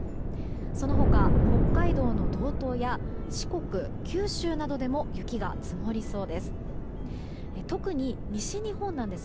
その他、北海道の道東や四国、九州などでも雪が積もりそうです。